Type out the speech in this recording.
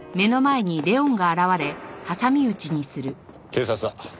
警察だ。